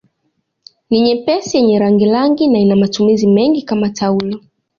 Ni nyepesi yenye rangirangi na ina matumizi mengi kama taulo